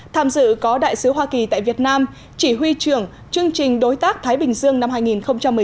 tham dự có đại sứ hoa kỳ tại việt nam chỉ huy trưởng chương trình đối tác thái bình dương năm hai nghìn một mươi chín